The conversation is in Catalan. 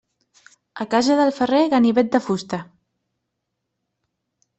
A casa del ferrer, ganivet de fusta.